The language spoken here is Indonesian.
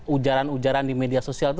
ujaran ujaran di media sosial itu